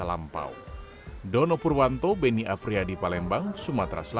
warga tionghoa masa lampau